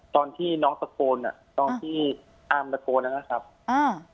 ตอนที่น้องตะโกนอ่ะตอนที่อามตะโกนนะครับอ่า